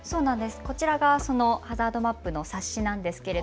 こちらがそのハザードマップの冊子です。